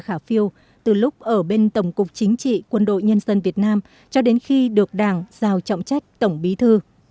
lê khả phiêu từ lúc ở bên tổng cục chính trị quân đội nhân dân việt nam cho đến khi được đảng giao trọng trách tổng bí thư